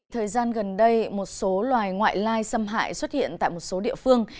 thời gian gần đây một số loài ngoại lai xâm hại xuất hiện tại một số địa phương